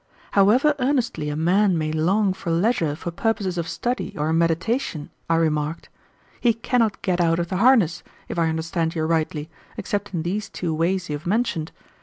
"However earnestly a man may long for leisure for purposes of study or meditation," I remarked, "he cannot get out of the harness, if I understand you rightly, except in these two ways you have mentioned.